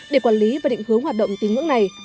để quản lý và định hướng hoạt động tín ngưỡng này